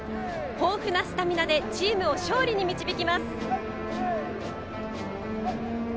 豊富なスタミナでチームを勝利に導きます。